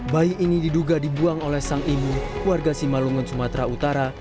bayi ini diduga dibuang oleh sang ibu warga simalungun sumatera utara